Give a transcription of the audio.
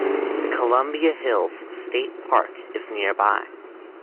The Columbia Hills State Park is nearby.